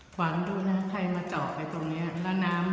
ขวางดูนะใครมาเจาะไปตรงนี้แล้วน้ำ